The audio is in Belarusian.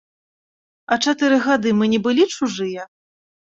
А чатыры гады мы не былі чужыя?